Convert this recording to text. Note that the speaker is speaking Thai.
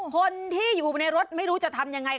คนที่อยู่ในรถไม่รู้จะทำยังไง